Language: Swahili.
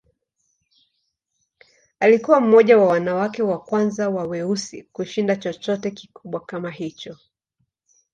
Alikuwa mmoja wa wanawake wa kwanza wa weusi kushinda chochote kikubwa kama hicho.